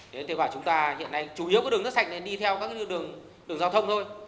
thế thì chúng ta hiện nay chủ yếu cái đường nước sạch này đi theo các đường giao thông thôi